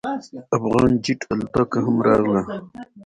افغان جیټ الوتکه هم راغله.